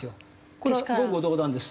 これは言語道断です。